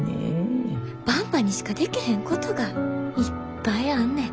ばんばにしかでけへんことがいっぱいあんねん。